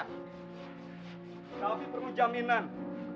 tapi perlu jaminan